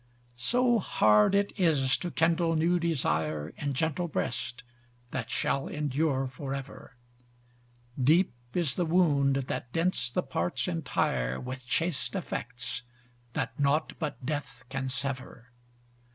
So hard it is to kindle new desire, In gentle breast that shall endure for ever: Deep is the wound, that dints the parts entire With chaste affects, that naught but death can sever.